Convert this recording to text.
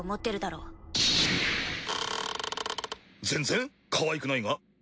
全然かわいくないが！